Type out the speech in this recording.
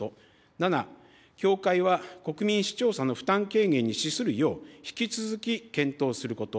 ７、協会は国民・視聴者の負担軽減に資するよう、引き続き検討すること。